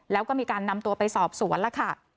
แล้วก็มีการนำตัวไปสอบสวนแล้วค่ะ